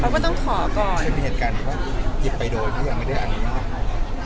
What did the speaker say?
เขาก็ต้องขอก่อนจะมีเหตุการณ์ว่าหยิบไปโดยมันยังไม่ได้อันนี้มั้ยคะ